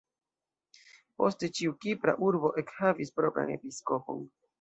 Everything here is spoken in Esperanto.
Poste ĉiu kipra urbo ekhavis propran episkopon.